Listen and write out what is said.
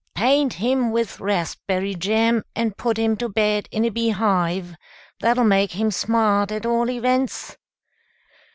"Paint him with raspberry jam, and put him to bed in a bee hive. That'll make him smart, at all events."